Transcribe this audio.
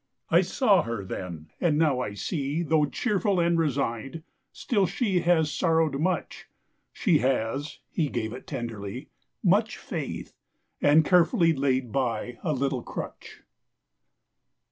I saw her then, and now I see, Though cheerful and resign'd, still she Has sorrow'd much: She has—HE gave it tenderly— Much faith—and carefully laid by A little crutch.